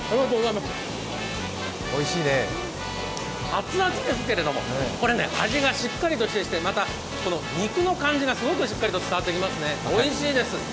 アツアツですけど、味がしっかりとしてまた肉の感じがすごくしっかりと伝わってきますね、おいしいです。